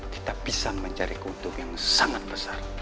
kita bisa mencari kutub yang sangat besar